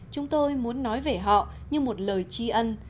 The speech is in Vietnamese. chúng tôi muốn nói về họ như một lời tri ân